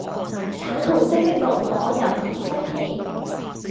橙紅色的爐火悠然升起